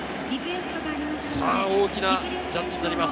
大きなジャッジになります。